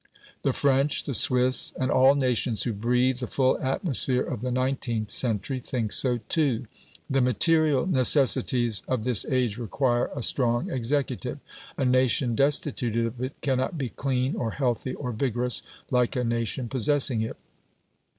The French, the Swiss, and all nations who breathe the full atmosphere of the nineteenth century, think so too. The material necessities of this age require a strong executive; a nation destitute of it cannot be clean, or healthy, or vigorous, like a nation possessing it.